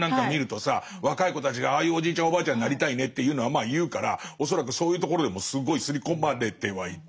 若い子たちがああいうおじいちゃんおばあちゃんになりたいねっていうのはまあ言うから恐らくそういうところでもすごい刷り込まれてはいて。